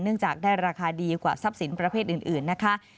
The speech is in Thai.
จากได้ราคาดีกว่าทรัพย์สินประเภทอื่นนะคะ